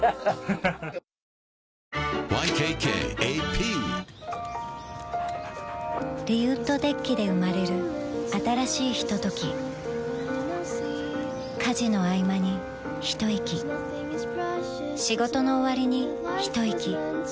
ＹＫＫＡＰリウッドデッキで生まれる新しいひととき家事のあいまにひといき仕事のおわりにひといき